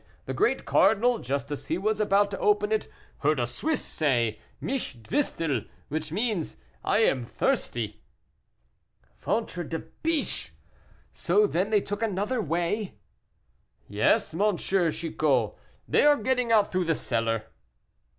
The great cardinal, just as he was about to open it, heard a Swiss say, 'Mich dwistel,' which means, 'I am thirsty.'" "Ventre de biche! so then they took another way?" "Yes, dear M. Chicot, they are getting out through the cellar."